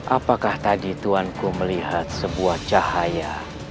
apakah tadi tuhan ku melihat sebuah cahaya